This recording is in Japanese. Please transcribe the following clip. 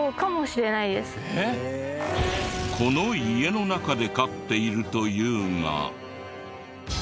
この家の中で飼っているというが。